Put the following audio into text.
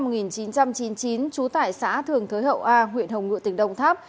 trần văn nghĩa sinh năm hai nghìn chín trú tại xã thường thới hậu a huyện hồng ngựa tỉnh đồng tháp